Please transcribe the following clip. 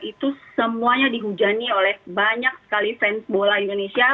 itu semuanya dihujani oleh banyak sekali fans bola indonesia